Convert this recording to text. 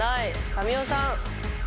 神尾さん。